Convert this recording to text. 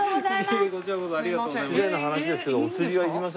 いえいえこちらこそありがとうございます。